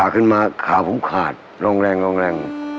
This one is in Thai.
คือมันหลุดตัวไปเลยเหรอ